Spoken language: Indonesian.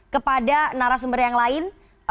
kepada para penyelidikan